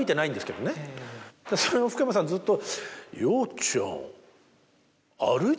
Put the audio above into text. それを福山さんずっと。